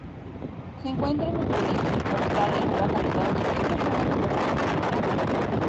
Se encuentra en la Micronesia, Australia, Nueva Caledonia y otras zonas del Pacífico central.